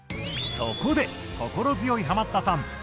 そこで心強いハマったさん